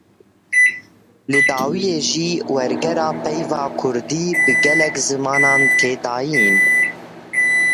Li dawîyê jî wergera peyva kurdî bi gelek zimanan tê dayîn.